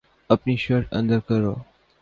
اپنی شرٹ اندر کرو